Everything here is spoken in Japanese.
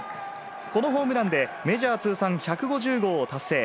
このホームランでメジャー通算１５０号を達成。